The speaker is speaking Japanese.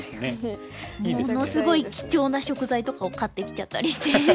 ものすごい貴重な食材とかを買ってきちゃったりして。